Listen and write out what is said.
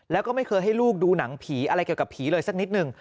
แล้วก็ไม่เคยให้ลูกดูหนังผีอะไรเกี่ยวกับผีเลยสักนิดนึง